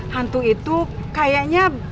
hantu itu kayaknya